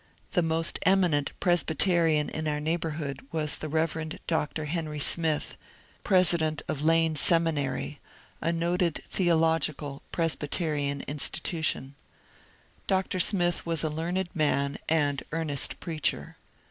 The most eminent Presbyterian in our neigh bourhood was the Rev. Dr. Henry Smith, president of Lane DR SMITH 273 Seminary, a noted theological (Presbyterian) institution. Dr. Smith was a learned man and earnest preacher.